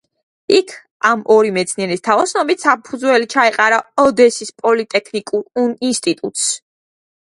იქ ამ ორი მეცნიერის თაოსნობით საფუძველი ჩაეყარა ოდესის პოლიტექნიკურ ინსტიტუტს.